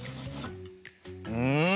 うん！